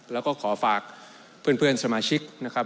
แล้วก็ขอฝากเพื่อนสมาชิกนะครับ